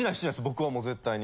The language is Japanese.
僕はもう絶対に。